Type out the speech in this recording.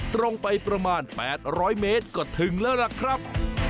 ตรงไปประมาณ๘๐๐เมตรก็ถึงแล้วล่ะครับ